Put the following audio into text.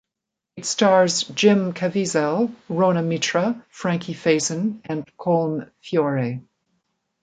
It stars Jim Caviezel, Rhona Mitra, Frankie Faison, and Colm Feore.